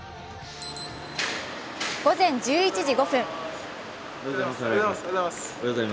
午前１１時５分。